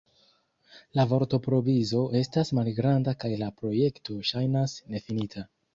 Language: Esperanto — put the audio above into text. La vortprovizo estas malgranda kaj la projekto ŝajnas nefinita.